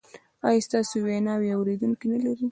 ایا ستاسو ویناوې اوریدونکي نلري؟